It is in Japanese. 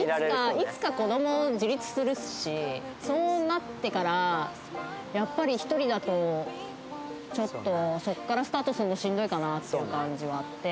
いつか子供自立するしそうなってからやっぱり一人だとちょっとそこからスタートするのしんどいかなっていう感じはあって。